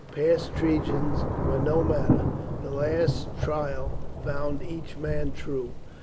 Past treasons were no matter. The last trial found each man true.